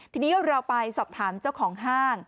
ทีนี้เราไปสอบถามเจ้าของห้าง